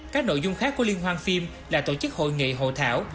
các nội dung khác của liên hoàng phim là tổ chức hội nghị hộ thảo